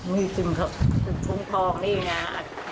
มีสิ่งศักดิ์สิทธิ์คุ้มครองนี่นะฮะ